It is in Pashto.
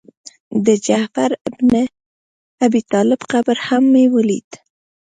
د جعفر بن ابي طالب قبر هم مې ولید.